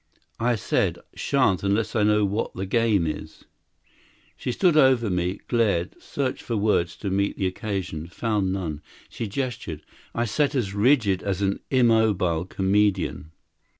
I said: "Shan't unless I know what the game is." She stood over me; glared; searched for words to meet the occasion; found none. She gestured. I sat as rigid as an immobile comedian.